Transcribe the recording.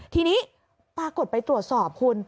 ทีนี้ปรากฏไปตรวจสอบคุณ